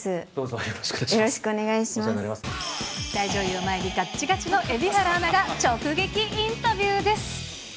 大女優を前にがっちがちの蛯原アナが直撃インタビューです。